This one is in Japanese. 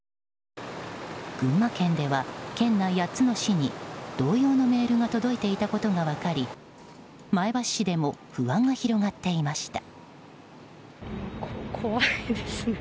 群馬県では県内８つの市に同様のメールが届いていたことが分かり前橋市でも不安が広がっていました。